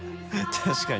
確かに。